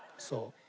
そう。